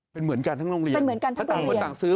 เป็นเหมือนกันทั้งโรงเรียนทั้งต่างคนต่างซื้อ